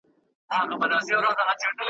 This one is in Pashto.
تر ماپښینه تر دوو دریو کلیو را تېر سو !.